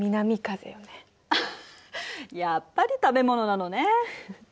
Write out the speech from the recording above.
やっぱり食べ物なのね。